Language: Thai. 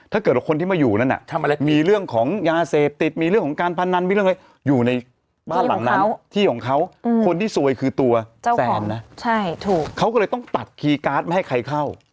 ถ้าเกิดว่าคนที่มาอยู่นั้นมีเรื่องของยาเสพติดมีเรื่องของการพนันมีเรื่องอะไรอยู่ในบ้านหลังนั้นที่ของเขาคนที่ซวยคือตัวเจ้าแซนนะเขาก็เลยต้องตัดคีย์การ์ดไม่ให้ใครเข้า